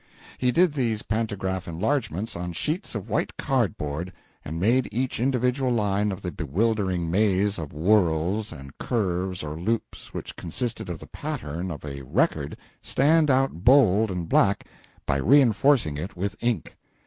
He did these pantograph enlargements on sheets of white cardboard, and made each individual line of the bewildering maze of whorls or curves or loops which constituted the "pattern," of a "record" stand out bold and black by reinforcing it with ink.